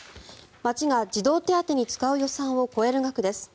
町が児童手当に使う予算を超える額です。